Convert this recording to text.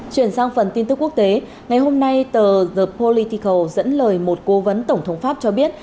chuyển sang phần tin tức quốc tế ngày hôm nay tờ the politico dẫn lời một cố vấn tổng thống pháp cho biết